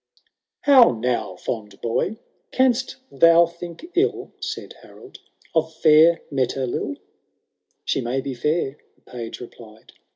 ''— X. How now, fond boy ?~.CanBt thou think ill," Said Harold, «« of fkir Metelill?"— ^ She may be fiur," the Page replied.